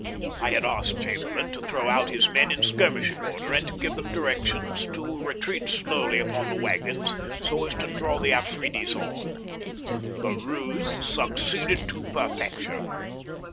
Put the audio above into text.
I had asked Chamberlain to throw out his men in skirmishing order, and to give them directions to retreat slowly upon the waggons so as to draw the Afridis on. The ruse succeeded to perfection.